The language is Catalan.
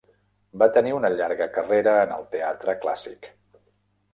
Va tenir una llarga carrera en el teatre clàssic.